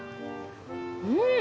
うん！